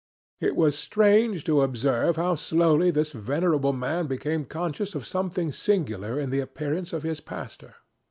It was strange to observe how slowly this venerable man became conscious of something singular in the appearance of his pastor.